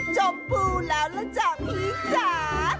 ชมพูแล้วล่ะจ๊ะพี่จ๋า